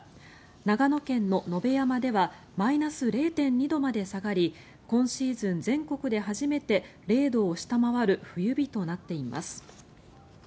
長野県の野辺山ではマイナス０．２度まで下がり今シーズン全国で初めて０度を下回る冬日となっています。